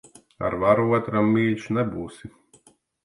Ar varu otram mīļš nebūsi.